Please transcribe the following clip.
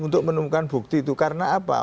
untuk menemukan bukti itu karena apa